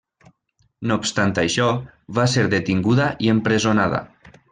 No obstant això, va ser detinguda i empresonada.